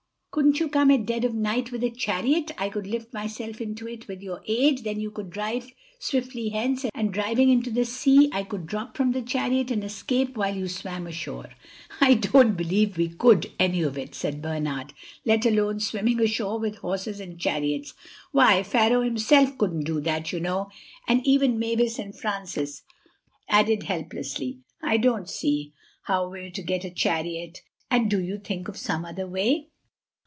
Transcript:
Couldn't you come at dead of night with a chariot—I could lift myself into it with your aid—then you could drive swiftly hence, and driving into the sea I could drop from the chariot and escape while you swam ashore." "I don't believe we could—any of it," said Bernard, "let alone swimming ashore with horses and chariots. Why, Pharaoh himself couldn't do that, you know." And even Mavis and Francis added helplessly, "I don't see how we're to get a chariot," and "do you think of some other way."